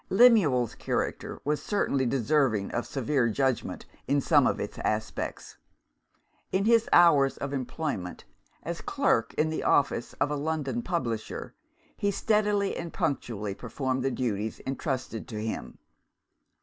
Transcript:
Lemuel's character was certainly deserving of severe judgment, in some of its aspects. In his hours of employment (as clerk in the office of a London publisher) he steadily and punctually performed the duties entrusted to him.